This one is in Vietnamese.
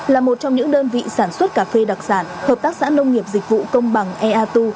là một trong những đơn vị sản xuất cà phê đặc sản hợp tác xã nông nghiệp dịch vụ công bằng eatu